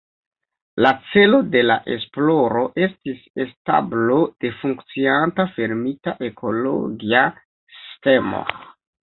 La celo de la esploro estis establo de funkcianta fermita ekologia sistemo.